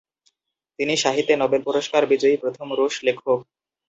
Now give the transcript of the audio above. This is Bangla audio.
তিনি সাহিত্যে নোবেল পুরস্কার বিজয়ী প্রথম রুশ লেখক।